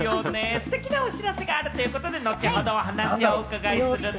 ステキなお知らせがあるということで後ほどお話をお伺いするね。